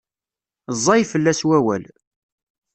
Ẓẓay fell-as wawal.